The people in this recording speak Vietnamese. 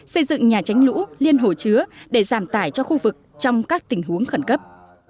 xây dựng nhà tránh lũ liên hồ chứa để giảm tải cho khu vực trong các tình huống khẩn cấp